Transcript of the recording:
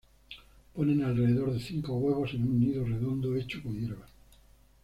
Ponen alrededor de cinco huevos en un nido redondo hecho con hierba.